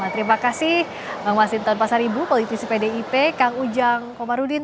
terima kasih bang mas hinton pasar ibu politisi pdip kang ujang komarudin